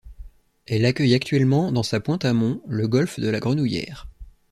Elle accueille actuellement, dans sa pointe amont, le golf de la Grenouillère.